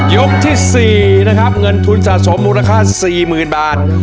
ยกที่๔นะครับเงินทุนสะสมมูลค่า๔๐๐๐บาท